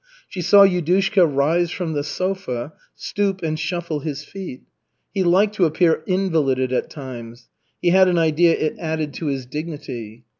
She saw Yudushka rise from the sofa, stoop and shuffle his feet. He liked to appear invalided at times. He had an idea it added to his dignity.